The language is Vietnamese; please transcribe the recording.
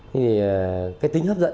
thì cái tình tiết này